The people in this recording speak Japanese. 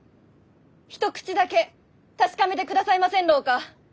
一口だけ確かめてくださいませんろうか？